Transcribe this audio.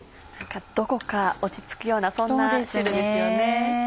どこか落ち着くようなそんな汁ですよね。